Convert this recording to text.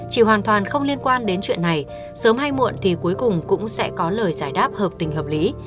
chỉ hoàn toàn không liên quan đến chuyện này sớm hay muộn thì cuối cùng cũng sẽ có lời giải đáp hợp tình hợp lý